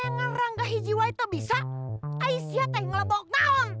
nengang ranggahi jiwa itu bisa ais ya teh ngelabok taon